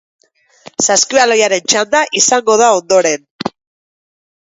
Saskibaloiaren txanda izango da ondoren.